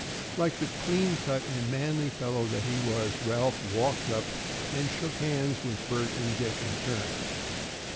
Like the clean cut and manly fellow that he was, Ralph walked up and shook hands with Bert and Dick in turn.